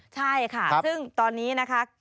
ใช่ค่ะซึ่งตอนนี้นะคะ